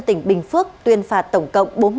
tỉnh bình phước tuyên phạt tổng cộng